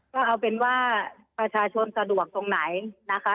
ก็เอาเป็นว่าประชาชนสะดวกตรงไหนนะคะ